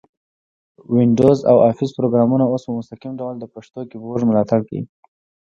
وینډوز او افس پروګرامونه اوس په مستقیم ډول د پښتو کیبورډ ملاتړ کوي.